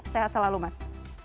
sehat selalu mas